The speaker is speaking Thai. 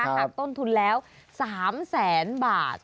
หักต้นทุนแล้ว๓แสนบาท